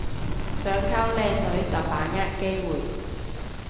想溝靚女就把握機會